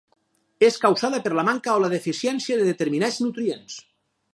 És causada per la manca o la deficiència de determinats nutrients.